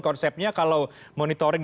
konsepnya kalau monitoring